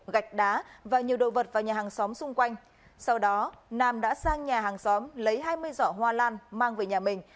gạch đá và nhiều đồ vật vào nhà hàng xóm xung quanh sau đó nam đã sang nhà hàng xóm lấy hai mươi giỏ hoa lan mang về nhà mình